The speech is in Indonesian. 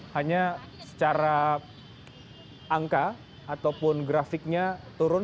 hanya secara angka ataupun grafiknya turun